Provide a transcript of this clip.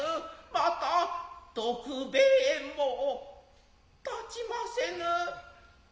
また徳兵衛も立ちませぬ。